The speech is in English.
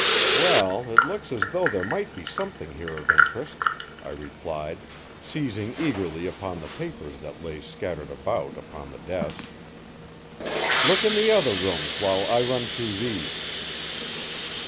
"Well, it looks as though there might be something here of interest," I replied, seizing eagerly upon the papers that lay scattered about upon the desk. "Look in the other rooms while I run through these."